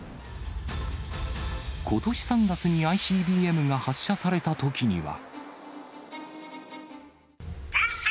ことし３月にＩＣＢＭが発射されたときには。